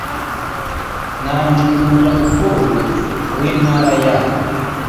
nanjing umurwa mukuru w intara ya